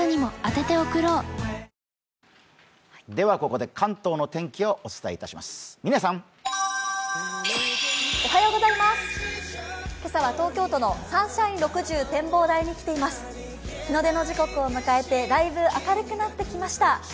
日の出の時刻を迎えて、だいぶ明るくなってきました。